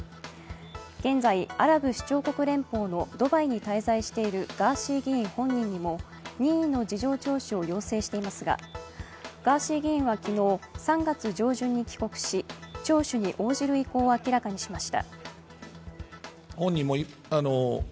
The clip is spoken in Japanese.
現在、アラブ首長国連邦のドバイに滞在しているガーシー議員本人にも任意の事情聴取を要請していますがガーシー議員は昨日、３月上旬に帰国し、聴取に応じる意向を明らかにしました。